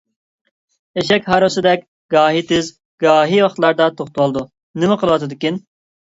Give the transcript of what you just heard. ئېشەك ھارۋىسىدەك گاھى تېز گاھى ۋاقىتلاردا توختىۋالىدۇ. نېمە قىلىۋاتىدىكىن؟